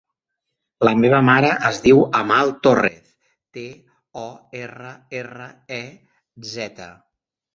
La meva mare es diu Amal Torrez: te, o, erra, erra, e, zeta.